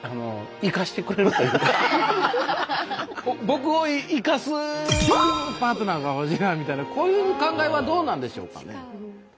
僕を生かすパートナーが欲しいなみたいなこういう考えはどうなんでしょうかね？